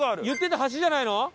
言ってた橋じゃないの？